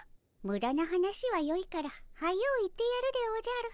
むだな話はよいから早う行ってやるでおじゃる。